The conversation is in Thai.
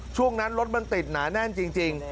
ช่วงนั้นรถมันติดหนาแน่นจริง